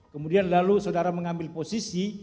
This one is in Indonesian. kemudian lalu saudara mengambil posisi